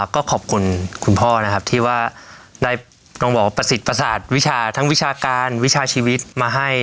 ก็ขอบคุณคุณพ่อนะครับที่ว่าได้ต้องบอกว่าประสิทธิประสาทวิชาทั้งวิชาการวิชาชีวิตมาให้